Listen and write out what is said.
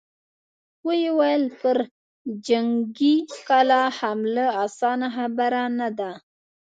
ويې ويل: پر جنګي کلا حمله اسانه خبره نه ده!